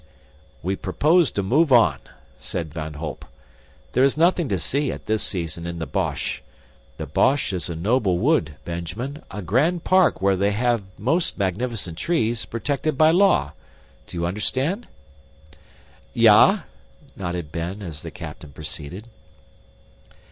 "We propose to move on," said Van Holp. "There is nothing to see at this season in the Bosch. The Bosch is a noble wood, Benjamin, a grand park where they have most magnificent trees, protected by law. Do you understand?" "Ya!" nodded Ben as the captain proceeded.